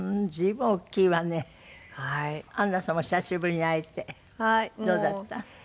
アンナさんも久しぶりに会えてどうだった？